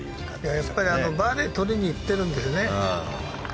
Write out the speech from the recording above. やっぱりバーディーを取りに行ってるんだよね。